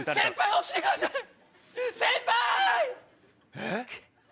えっ？